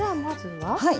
はい。